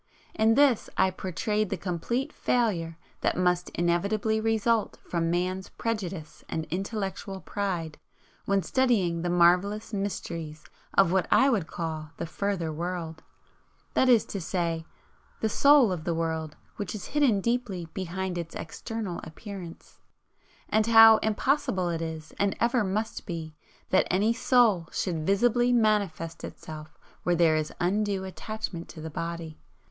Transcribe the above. In this I portrayed the complete failure that must inevitably result from man's prejudice and intellectual pride when studying the marvellous mysteries of what I would call the Further World, that is to say, the 'Soul' of the world which is hidden deeply behind its external Appearance, and how impossible it is and ever must be that any 'Soul' should visibly manifest itself where there is undue attachment to the body.